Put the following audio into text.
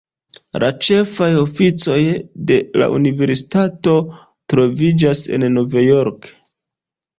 La ĉefaj oficejoj de la universitato troviĝas en Nov-Jorko.